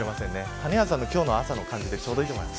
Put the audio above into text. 谷原さんの今日の朝の感じでいいと思います。